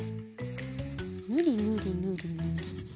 ぬりぬりぬりぬり。